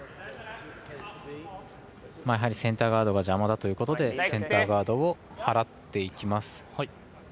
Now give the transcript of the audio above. やはりセンターガードが邪魔だということでセンターガードを払っていきます。